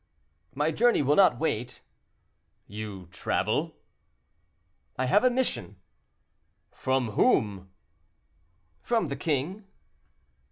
"My journey will not wait." "You travel?" "I have a mission." "From whom?" "From the king."